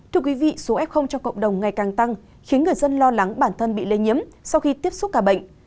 thưa quý vị số f trong cộng đồng ngày càng tăng khiến người dân lo lắng bản thân bị lây nhiễm sau khi tiếp xúc cả bệnh